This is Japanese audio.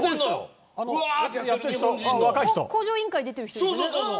向上委員会出てる人ですよね。